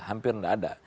hampir tidak ada